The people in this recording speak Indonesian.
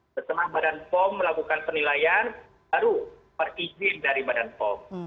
setelah badan pom melakukan penilaian baru berizin dari badan pom